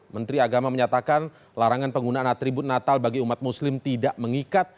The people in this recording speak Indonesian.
menteri agama menyatakan larangan penggunaan atribut natal bagi umat muslim tidak mengikat